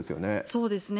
そうですね。